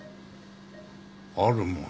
あるもの？